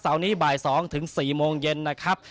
นี้บ่าย๒ถึง๔โมงเย็นนะครับ